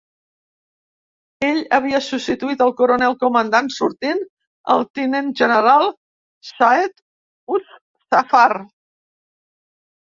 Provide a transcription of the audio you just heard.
Ell havia substituït el coronel comandant sortint, el tinent general Saeed Uz Zafar.